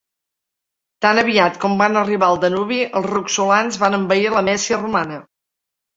Tan aviat com van arribar al Danubi, els roxolans van envair la Mèsia romana.